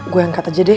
gue angkat aja deh